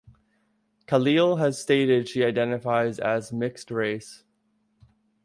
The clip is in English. Khalil has stated she identifies as mixed race.